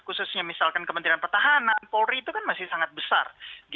khususnya misalkan kementerian pertahanan polri itu kan masih sangat besar